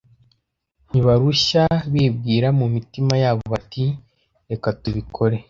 Ntibarushya bibwira mu mitima yabo bati Reka tubikore